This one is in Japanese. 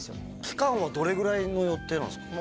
期間はどれぐらいの予定なんですか？